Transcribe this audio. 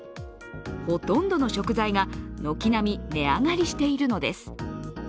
ほとんどの食材が軒並み値上がりしているのです。